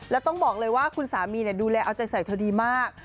แล้วต้องบอกเลยว่าคุณสามีดูแลเอาใจใส่เธอดีมาก